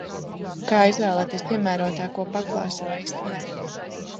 Kā izvēlēties piemērotāko paklāju savai istabai?